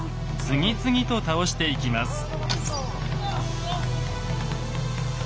次々と倒していきます。